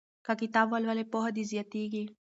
که کتاب ولولې پوهه دې زیاتیږي.